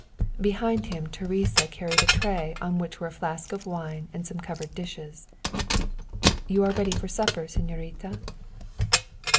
Behind him Teresa carried a tray on which were a flask of wine and some covered dishes. "You are ready for supper, señorita?"